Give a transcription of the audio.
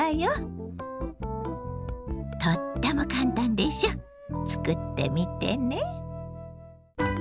とっても簡単でしょ作ってみてね。